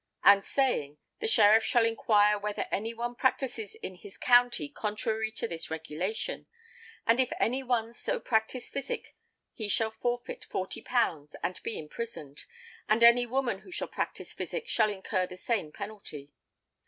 And saying, the sheriff shall inquire whether any one practises in his county contrary to this regulation; and if any one so practise fysyk he shall forfeit £40 and be imprisoned: and any woman who shall practise fysyk shall incur the same penalty."